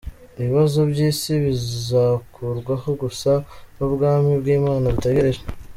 Ibibazo by’isi bizakurwaho gusa n’ubwami bw’imana dutegereje.